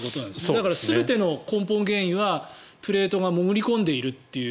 だから、全ての根本原因はプレートが潜り込んでいるという。